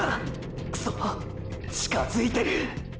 くそ近づいてる！！